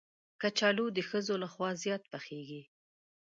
کچالو د ښځو لخوا زیات پخېږي